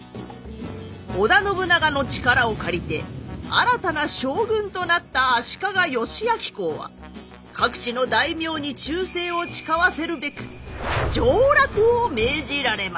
織田信長の力を借りて新たな将軍となった足利義昭公は各地の大名に忠誠を誓わせるべく上洛を命じられました。